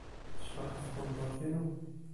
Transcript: Tecbeḥ tqendurt-inu?